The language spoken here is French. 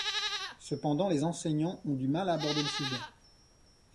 Cependant les enseignants ont du mal à aborder le sujet.